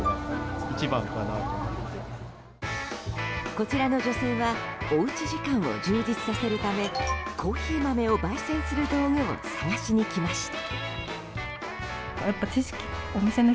こちらの女性はおうち時間を充実させるためコーヒー豆を焙煎する道具を探しに来ました。